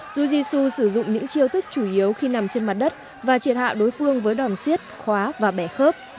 jiu jitsu sử dụng những chiêu thức chủ yếu khi nằm trên mặt đất và triệt hạ đối phương với đòn xiết khóa và bẻ khớp